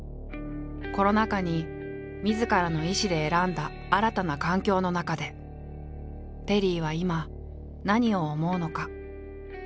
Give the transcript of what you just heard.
コロナ禍にみずからの意思で選んだ新たな環境の中でテリーは今何を思うのか？